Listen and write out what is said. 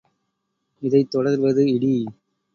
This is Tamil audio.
இதைத் தொடர்வது இடி.